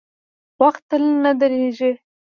• وخت تل نه درېږي.